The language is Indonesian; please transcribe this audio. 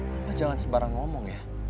mama jangan sebarang ngomong ya